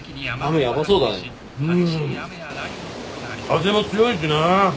風も強いしな。